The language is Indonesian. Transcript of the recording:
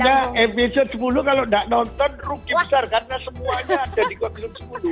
kalau enggak episode sepuluh kalau enggak nonton rugi besar karena semuanya ada di episode sepuluh